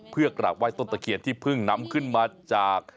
เพื่อกราบไห้ต้นตะเคียนที่เพิ่งนำขึ้นมาจาก